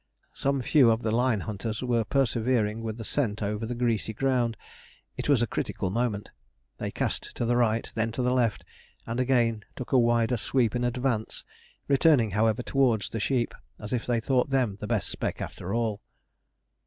Some few of the line hunters were persevering with the scent over the greasy ground. It was a critical moment. They cast to the right, then to the left, and again took a wider sweep in advance, returning however towards the sheep, as if they thought them the best spec after all.